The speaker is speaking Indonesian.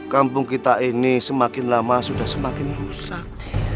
kampung kita ini semakin lama sudah semakin rusak